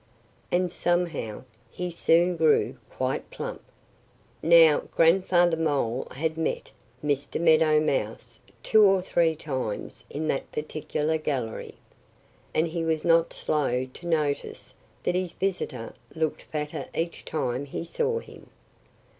And somehow he soon grew quite plump. Now, Grandfather Mole had met Mr. Meadow Mouse two or three times in that particular gallery. And he was not slow to notice that his visitor looked fatter each time he saw him.